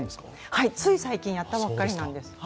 はい、つい最近、やったばっかりです。